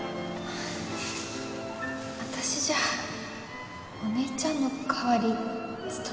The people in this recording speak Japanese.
私じゃお姉ちゃんの代わり務まらないかな？